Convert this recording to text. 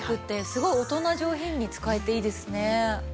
すごい大人上品に使えていいですね。